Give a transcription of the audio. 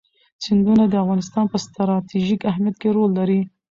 سیندونه د افغانستان په ستراتیژیک اهمیت کې رول لري.